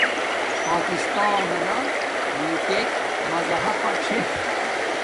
پاکستانانا بوتک مزہپا چھے